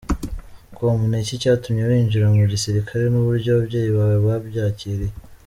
com : Ni iki cyatumye winjira mu gisirikare n’uburyo ababyeyi bawe babyakiriye ?.